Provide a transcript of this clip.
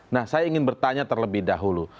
nah saya ingin bertanya terlebih dahulu